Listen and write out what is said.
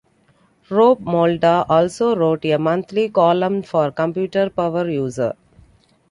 Rob Malda also wrote a monthly column for "Computer Power User".